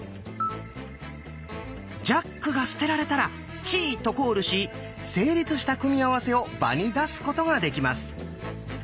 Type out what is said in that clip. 「ジャック」が捨てられたら「チー」とコールし成立した組み合わせを場に出すことができます。